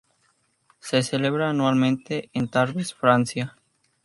Se celebra anualmente en Tarbes, Francia.